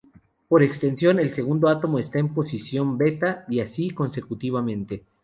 Por extensión, el segundo átomo está en la posición beta, y así consecutivamente.